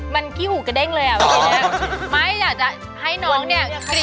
มันกี้หูกระได้งเลยยะหมายอยากจะให้น้องเนี่ย